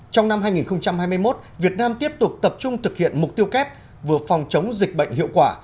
trong năm hai nghìn hai mươi một việt nam tiếp tục tập trung thực hiện mục tiêu kép vừa phòng chống dịch bệnh hiệu quả